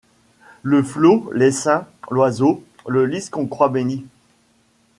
Le flot, l’essaim, l’oiseau, le lys qu’on croit béni